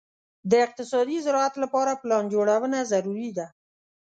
د اقتصادي زراعت لپاره پلان جوړونه ضروري ده.